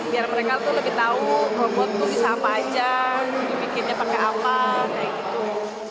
biar mereka lebih tahu robot bisa apa saja dibikinnya pakai apa kayak gitu